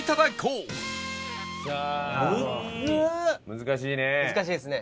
難しいね。